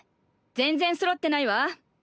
全然そろってないわ。